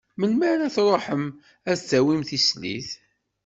Melmi ara truḥem ad d-tawim tislit?